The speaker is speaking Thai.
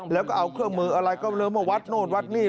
แล้วก็เอาเครื่องมืออะไรก็เริ่มมาวัดโน่นวัดนี่